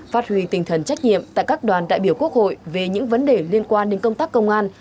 phát huy tinh thần trách nhiệm tại các đoàn đại biểu quốc hội về những vấn đề liên quan đến công tác công an